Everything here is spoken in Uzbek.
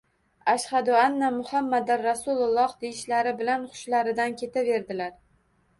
«Ashhadu anna Muhammadar Rasululloh» deyishlari bilan hushlaridan ketaverdilar